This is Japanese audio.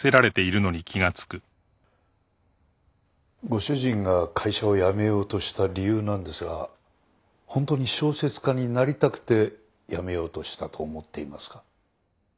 ご主人が会社を辞めようとした理由なんですが本当に小説家になりたくて辞めようとしたと思っていますか？